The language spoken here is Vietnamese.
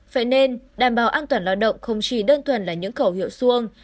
vậy nên đảm bảo an toàn lao động không chỉ đơn thuần là những khẩu hiệu xuông